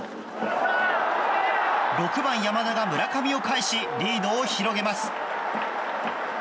６番、山田が村上をかえしリードを広げます。